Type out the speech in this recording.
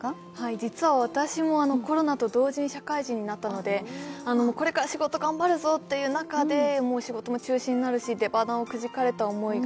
実は私もコロナと同時に社会人になったので、これから仕事頑張るぞっていう中で仕事も中止になるし出鼻をくじかれた思いが。